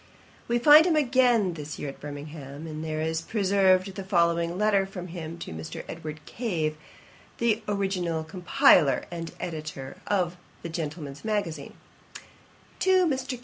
] We find him again this year at Birmingham, and there is preserved the following letter from him to Mr. Edward Cave, the original compiler and editor of the Gentleman's Magazine: TO MR.